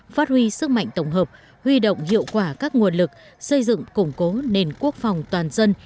phát huy sức mạnh tổng hợp huy động hiệu quả các nguồn lực xây dựng củng cố nền quốc phòng toàn dân